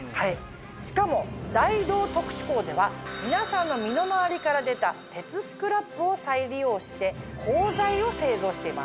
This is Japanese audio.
しかも大同特殊鋼では皆さんの身の回りから出た鉄スクラップを再利用して鋼材を製造しています。